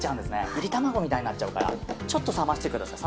いり卵みたいになっちゃうからちょっと冷ましてください。